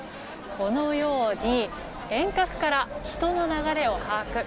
このように遠隔から人の流れを把握。